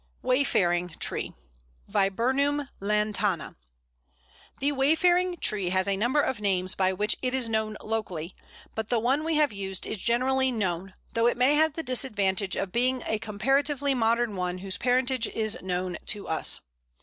] Wayfaring tree (Viburnum lantana). The Wayfaring tree has a number of names by which it is known locally, but the one we have used is generally known, though it may have the disadvantage of being a comparatively modern one whose parentage is known to us.